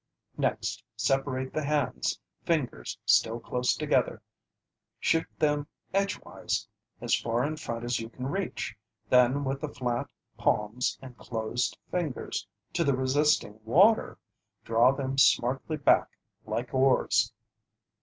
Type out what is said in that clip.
Next separate the hands, fingers still close together, shoot them edgewise as far in front as you can reach, then with the flat palms and closed fingers to the resisting water, draw them smartly back, like oars.